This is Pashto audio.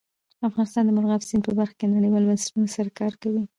افغانستان د مورغاب سیند په برخه کې نړیوالو بنسټونو سره کار کوي.